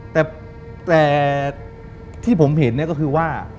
แต่ที่ผมเห็นก็คือว่า